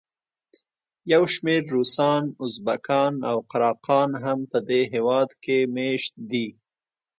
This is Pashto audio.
یو شمېر روسان، ازبکان او قراقان هم په دې هېواد کې مېشت دي.